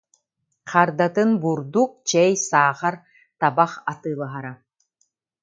Хардатын бурдук, чэй, саахар, табах атыылаһара